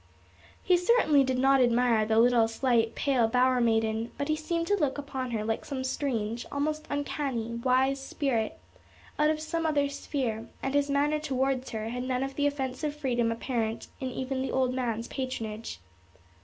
He certainly did not admire the little, slight, pale bower maiden, but he seemed to look upon her like some strange, almost uncanny, wise spirit out of some other sphere, and his manner towards her had none of the offensive freedom apparent in even the old man's patronage.